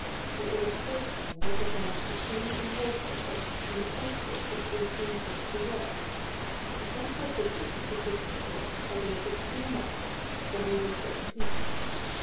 The illustration represents a scene in Warsaw in the conflict of 1861. The central figures of the picture are those of two monks, the leaders of the people.